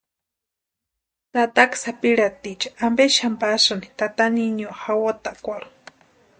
¿Tataka sapirhaticha ampe xani pasïni tata niño jawatakwarhu?